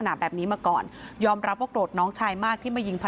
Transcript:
ก็บอกว่าการเมืองท้องถิ่นการการการการยิง